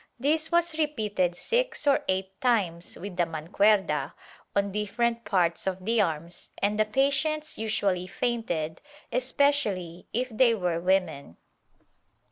This was repeated six or eight times with the mancuerda, on different parts of the arms, and the patients usually fainted, especially if they were women.